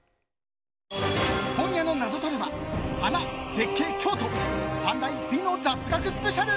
今夜の「ナゾトレ」は花、絶景、京都３大美の雑学スペシャル。